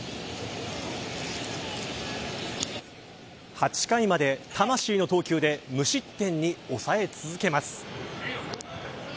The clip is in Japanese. ８回まで魂の投球で無失点に抑え続けます。